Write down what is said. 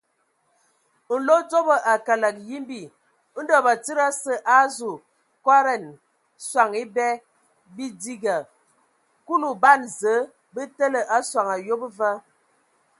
A nlodzobo a kələg yimbi, Ndɔ batsidi asǝ a azu kɔdan sɔŋ ebɛ bidinga; Kulu ban Zǝə bə təlǝ a soŋ ayob va.